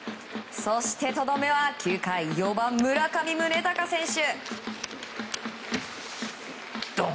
そしてとどめは９回４番、村上宗隆選手。